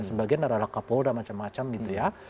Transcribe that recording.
sebagian adalah kapolda macam macam gitu ya